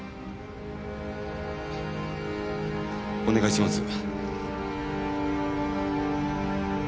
お願いします。